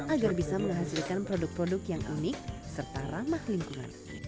agar bisa menghasilkan produk produk yang unik serta ramah lingkungan